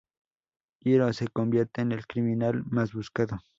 Hiro se convierte en el criminal más buscado.